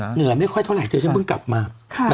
เหนื่อยไม่ค่อยเท่าไหรเธอฉันเพิ่งกลับมา